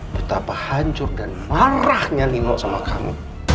betapa hancur dan marahnya nino sama kamu